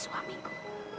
tidak tidak tidak